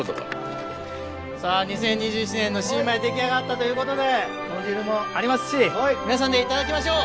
さぁ２０２１年の新米出来上がったということで豚汁もありますし皆さんでいただきましょう。